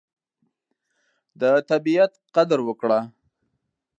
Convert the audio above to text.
د طبیعت قدر وکړه.